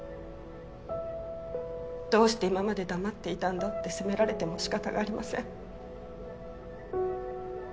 どうして今まで黙っていたんだって責められても仕方がありません。